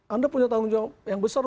anda punya tanggung jawab yang besar